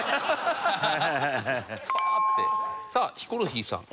さあヒコロヒーさん。